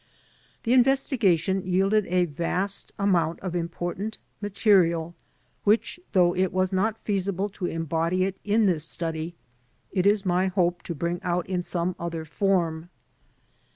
The investigation yielded a vast amount of important material which, though it was not feasible to embody it in this study, it is my hope to bring out in some other form.